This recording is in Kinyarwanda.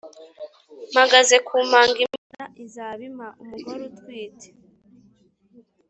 Mpagaze ku manga Imana izaba impa-Umugore utwite.